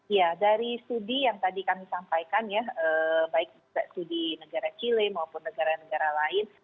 ya dari studi yang tadi kami sampaikan ya baik studi negara chile maupun negara negara lain